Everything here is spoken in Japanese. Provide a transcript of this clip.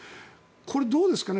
これ、どうですか